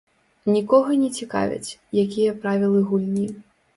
Нікога не цікавяць, якія правілы гульні.